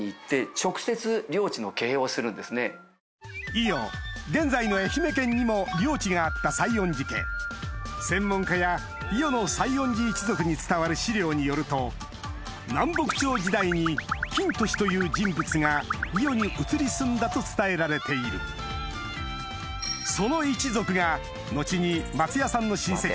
伊予現在の愛媛県にも領地があった西園寺家専門家や伊予の西園寺一族に伝わる資料によると南北朝時代に公俊という人物が伊予に移り住んだと伝えられているその一族が後に松也さんの親戚さん